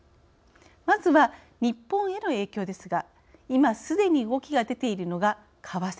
まずは日本への影響ですが今すでに動きが出ているのが為替